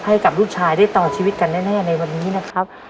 ให้กับลูกชายได้ต่อชีวิตกันแน่ในวันนี้นะครับ